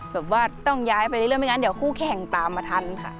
แบบว่าต้องย้ายไปเรื่อยไม่งั้นเดี๋ยวคู่แข่งตามมาทันค่ะ